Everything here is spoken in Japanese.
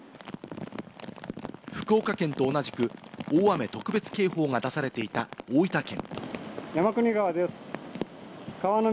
福岡県と同じく大雨特別警報が出されていた大分県。